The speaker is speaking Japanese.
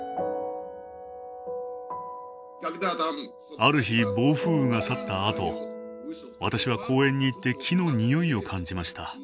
ある日暴風雨が去ったあと私は公園に行って木の匂いを感じました。